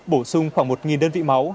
bổ sung khoảng một đơn vị máu